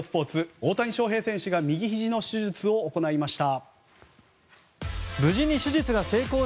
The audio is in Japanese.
大谷翔平選手が右ひじの手術を行いました。